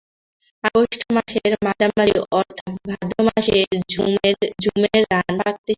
August মাসের মাঝামাঝি অর্থাৎ ভাদ্র মাসে জুমের ধান পাকতে শুরু করে।